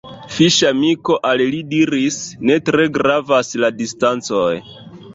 Fiŝamiko al li diris "Ne tre gravas la distancoj.